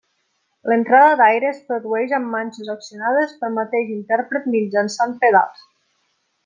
L'entrada d'aire es produeix amb manxes accionades pel mateix intèrpret mitjançant pedals.